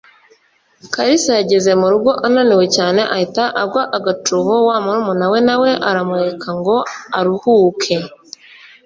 Kalisa yageze mu rugo yananiwe cyane ahita agwa agacuho wa murumuna we na we aramureka ngo aruhuke